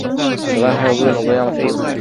此外还有各种各样的费用。